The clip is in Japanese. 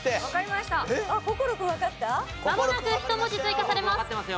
まもなく１文字追加されます。